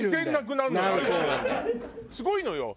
すごいのよ。